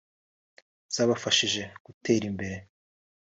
zabafashije gutera imbere